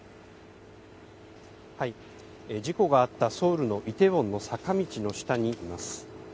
事故があったソウルのイテウォンの坂道の下にいます。